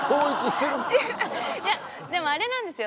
でもあれなんですよ。